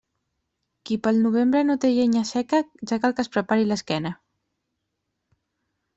Qui pel novembre no té llenya seca, ja cal que es prepari l'esquena.